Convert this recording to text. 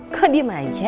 kok di manja